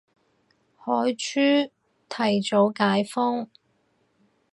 海珠提早解封